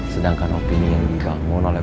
sedangkan opini yang dibangun oleh